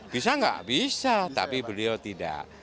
bisa nggak bisa tapi beliau tidak